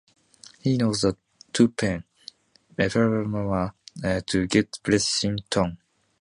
He knows that two men, perhaps more, are out to get Blessington.